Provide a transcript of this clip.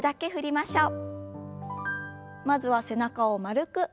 まずは背中を丸く。